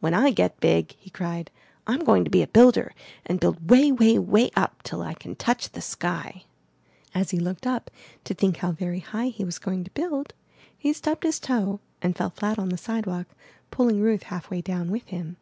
*'When I get big," he cried, ''I'm going to be a builder, and build way, way, way up till I can touch the sky!*' As he looked up to think how very high he was going to build, he stubbed his toe and fell flat on the sidewalk, pulling Ruth half way down with him.